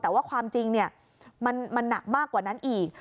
แต่ว่าความจริงมันหนักมากกว่านั้นอีก